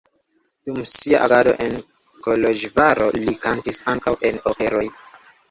Dum sia agado en Koloĵvaro li kantis ankaŭ en operoj.